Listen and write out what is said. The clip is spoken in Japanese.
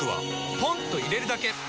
ポンと入れるだけ！